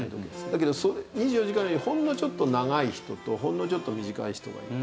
だけど２４時間よりほんのちょっと長い人とほんのちょっと短い人がいて。